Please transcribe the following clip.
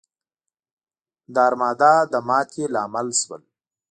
د ارمادا د ماتې لامل شول.